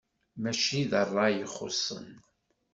Mačči d ṛṛay i xuṣṣen.